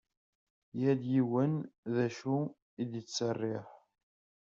Yal yiwen d acu i ad ittserriḥ.